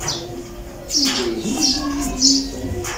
Yella yesnuzuy idlisen.